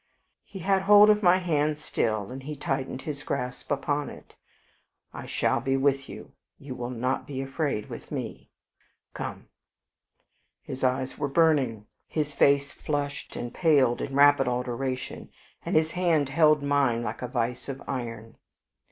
He had hold of my hand still, and he tightened his grasp upon it. "I shall be with you; you will not be afraid with me," he said. "Come." His eyes were burning, his face flushed and paled in rapid alternation, and his hand held mine like a vice of iron.